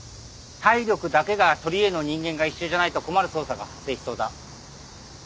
体力だけが取りえの人間が一緒じゃないと困る捜査が発生しそうだ。